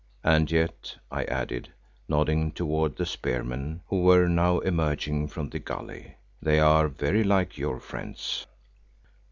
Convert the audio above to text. "And yet," I added, nodding towards the spearmen who were now emerging from the gully, "they are very like your friends."